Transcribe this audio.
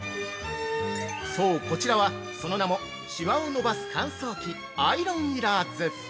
◆そう、こちらは、その名も「シワを伸ばす乾燥機アイロンいらず」